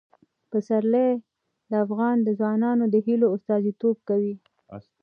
پسرلی د افغان ځوانانو د هیلو استازیتوب کوي.